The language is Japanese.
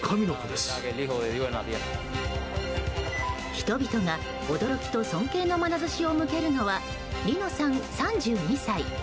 人々が驚きと尊敬のまなざしを向けるのはリノさん、３２歳。